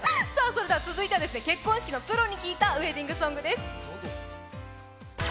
続いては結婚式のプロに聞いたウエディングソングです。